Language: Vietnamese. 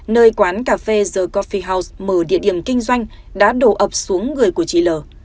nơi quán cà phê the coffiel house mở địa điểm kinh doanh đã đổ ập xuống người của chị l